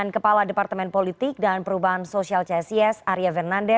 selamat sore bang laude